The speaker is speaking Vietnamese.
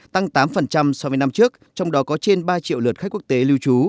tăng tám so với năm trước trong đó có trên ba triệu lượt khách quốc tế lưu trú